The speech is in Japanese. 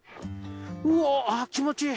うぉ気持ちいい。